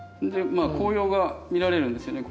まあ紅葉が見られるんですよね。